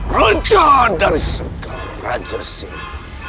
roja dari segera jasimu